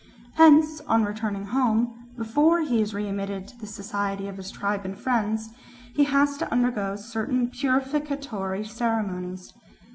Hence, on returning home, before he is readmitted to the society of his tribe and friends, he has to undergo certain purificatory ceremonies.